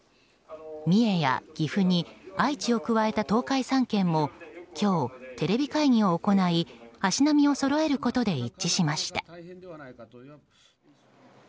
三重や岐阜に愛知を加えた東海３県も今日、テレビ会議を行い足並みをそろえることで